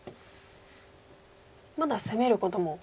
まだ攻めることも。